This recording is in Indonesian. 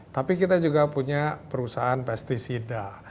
tapi kita juga punya perusahaan pesticida